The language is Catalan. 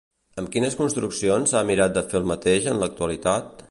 Amb quines construccions s'ha mirat de fer el mateix en l'actualitat?